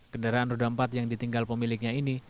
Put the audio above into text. kendaraan roda empat yang ditinggal pemiliknya ini